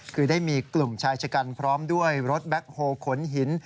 คือได้มีกลุ่มชายชะกันพร้อมด้วยรถแบ็คโฮลขนหิน